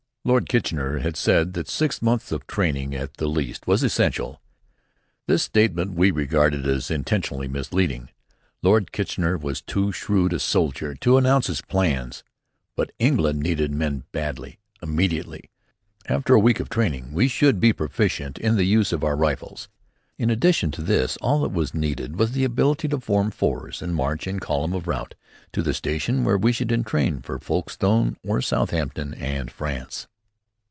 Lord Kitchener had said that six months of training, at the least, was essential. This statement we regarded as intentionally misleading. Lord Kitchener was too shrewd a soldier to announce his plans; but England needed men badly, immediately. After a week of training, we should be proficient in the use of our rifles. In addition to this, all that was needed was the ability to form fours and march, in column of route, to the station where we should entrain for Folkestone or Southampton, and France.